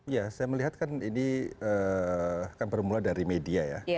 ya saya melihat kan ini kan bermula dari media ya